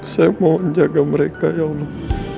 saya mohon jaga mereka ya allah